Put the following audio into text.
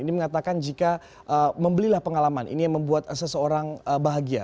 ini mengatakan jika membelilah pengalaman ini yang membuat seseorang bahagia